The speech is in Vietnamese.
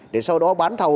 để sau đó bán thầu